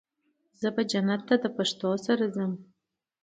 زه به جنت ته د پښتو سره ځو